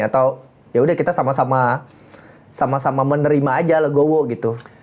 atau ya udah kita sama sama menerima aja lah gowo gitu